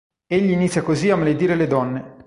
Egli inizia così a maledire le donne.